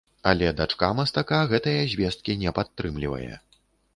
Але дачка мастака гэтыя звесткі не падтрымлівае.